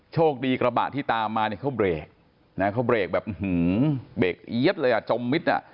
โชคดีกระบะที่ตามมานี่เขาเบรกแบบเบรกอี๊บเลยจมมิดอ่ะ